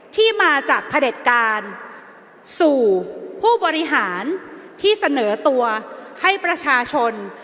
ที่มาจากพระเด็จการสู่ผู้บริหารที่เสนอตัวให้ประชาชน